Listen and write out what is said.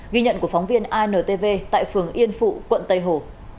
ghi nhận của phóng viên intv tại phường yên phụ quận tây hồ